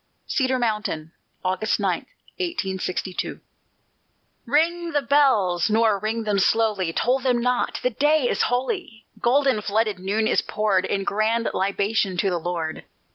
CEDAR MOUNTAIN [August 9, 1862] Ring the bells, nor ring them slowly; Toll them not, the day is holy! Golden flooded noon is poured In grand libation to the Lord.